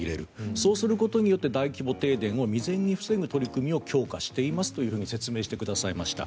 そうすることによって大規模停電を未然に防ぐ取り組みを強化していますと説明してくださいました。